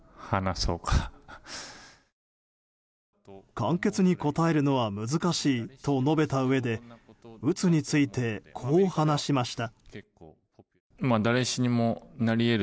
簡潔に答えるのは難しいと述べたうえでうつについて、こう話しました。